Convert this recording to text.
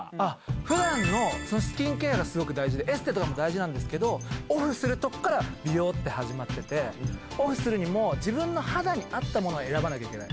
ふだんのスキンケアがすごく大事で、エステとかも大事なんですけど、オフするところから美容って始まってて、オフするにも、自分の肌に合ったものを選ばなきゃいけない。